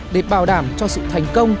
để bảo đảm cho sự thành công